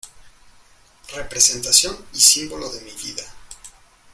representación y símbolo de mi vida.